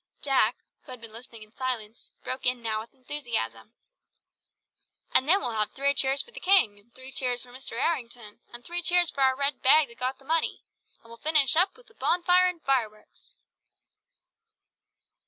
Jack, who had been listening in silence, broke in now with enthusiasm. "And then we'll have three cheers for the King, and three cheers for Mr. Errington, and three cheers for our red bag that got the money, and we'll finish up with a bonfire and fireworks!"